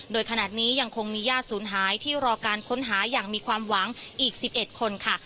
โดยขณะนี้ยังคงมีญาติศูนย์หายที่รอการค้นหาอย่างมีความหวังอีก๑๑คนค่ะ